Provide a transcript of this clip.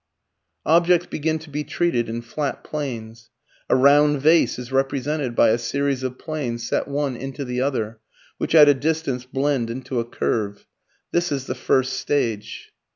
Objects begin to be treated in flat planes. A round vase is represented by a series of planes set one into the other, which at a distance blend into a curve. This is the first stage.